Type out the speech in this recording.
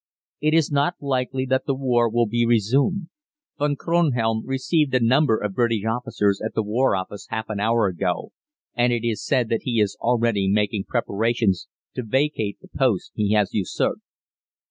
It is not likely that the war will be resumed. Von Kronhelm received a number of British officers at the War Office half an hour ago, and it is said that he is already making preparations to vacate the post he has usurped.